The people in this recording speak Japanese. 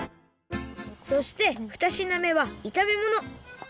そしてふたしなめはいためもの。